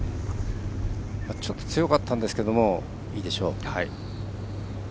ちょっと強かったんですけどいいでしょう。